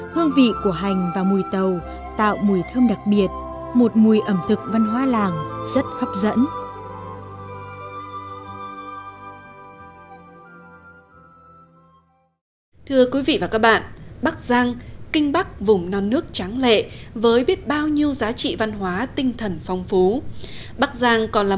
hương vị của hành và mùi tàu tạo mùi thơm đặc biệt một mùi ẩm thực văn hóa làng rất hấp dẫn